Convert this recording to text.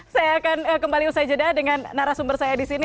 saya akan kembali usai jeda dengan narasumber saya di sini